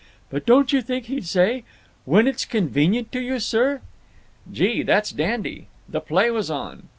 "But don't you think he'd say, 'when it's convenient to you, sir'?" "Gee, that's dandy!" The play was on.